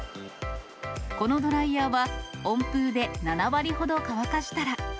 このドライヤーは温風で７割ほど乾かしたら。